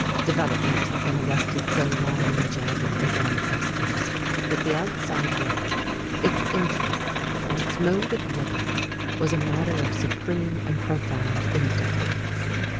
Development had been arrested so long in Jeb and his ancestors that the outside world, its interests and its mode of living, was a matter of supreme and profound indifference.